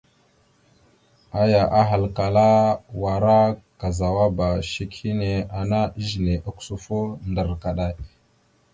Aya ahalkala: « Wara kazawaba shek hine ana ezine ogǝsufo ndar kaɗay ».